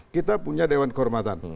kita punya dewan kehormatan